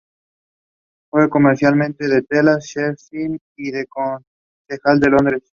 Fue comerciante de telas, sheriff y concejal de Londres.